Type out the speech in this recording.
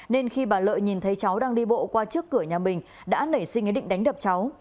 nên khi bà lợi nhìn thấy cháu đang đi bộ qua trước cửa nhà mình đã nảy sinh ý định đánh đập cháu